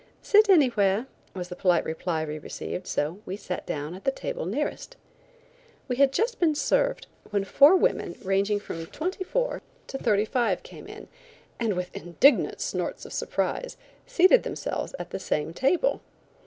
"Sit anywhere," was the polite reply we received, so we sat down at the table nearest. We had just been served, when four women ranging from twenty four to thirty five came in, and with indignant snorts of surprise, seated themselves at the same table.